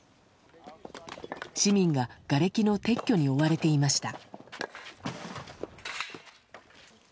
市民が、がれきの撤去に追われていました。